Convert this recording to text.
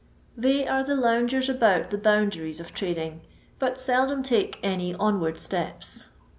They are the loungers about the boundaries of trading, but seldom take any onward steps.